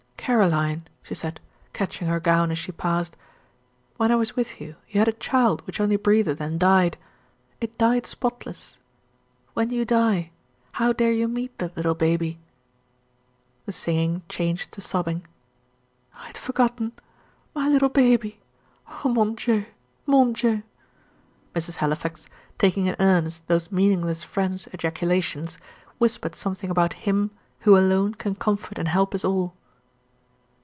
"Caroline," she said, catching her gown as she passed, "when I was with you, you had a child which only breathed and died. It died spotless. When you die, how dare you meet that little baby?" The singing changed to sobbing. "I had forgotten. My little baby! Oh, mon Dieu, mon Dieu!" Mrs. Halifax, taking in earnest those meaningless French ejaculations, whispered something about Him who alone can comfort and help us all.